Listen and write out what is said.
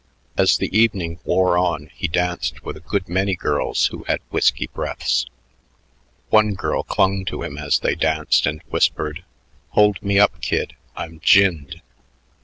As the evening wore on he danced with a good many girls who had whisky breaths. One girl clung to him as they danced and whispered, "Hold me up, kid; I'm ginned."